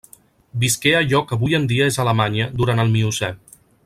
Visqué a allò que avui en dia és Alemanya durant el Miocè.